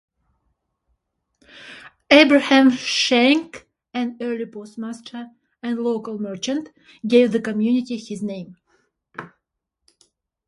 Abraham Shank, an early postmaster and local merchant, gave the community his name.